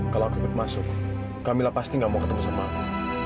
kalau aku ikut masuk kamila pasti tidak mau ketemu sama aku